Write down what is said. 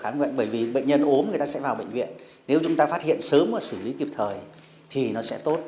nhân ốm người ta sẽ vào bệnh viện nếu chúng ta phát hiện sớm và xử lý kịp thời thì nó sẽ tốt